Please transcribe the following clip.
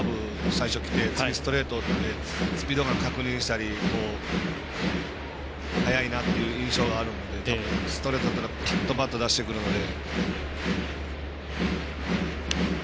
最初きて次ストレートってスピードガン確認したり速いなっていう印象があるのでストレートだったらパッと出してきますので。